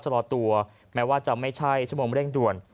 รอตัวแม้ว่าจะไม่ใช่ชั่วโมงเร่งด่วน